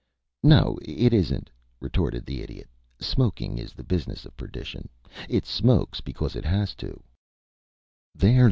"No, it isn't," retorted the Idiot. "Smoking is the business of perdition. It smokes because it has to." "There!